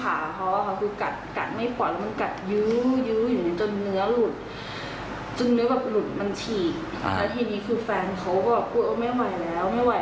แฟนก็เลยแบบฟันน่าจะฟันเป็นแผลของแผลอะไรอย่างนี้ค่ะ